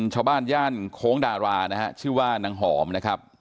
ย่านโค้งดารานะฮะชื่อว่านางหอมนะครับ